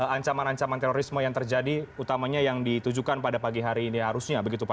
ancaman ancaman terorisme yang terjadi utamanya yang ditujukan pada pagi hari ini harusnya begitu pak